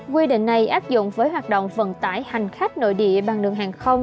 quy định này áp dụng với hoạt động vận tải hành khách nội địa bằng đường hàng không